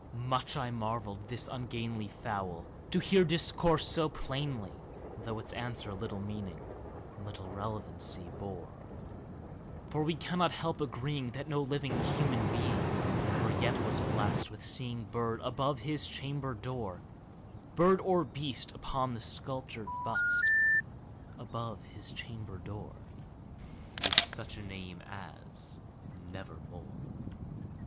Much I marvelled this ungainly fowl to hear discourse so plainly, Though its answer little meaning little relevancy bore; For we cannot help agreeing that no living human being Ever yet was blessed with seeing bird above his chamber door Bird or beast upon the sculptured bust above his chamber door, With such name as "Nevermore."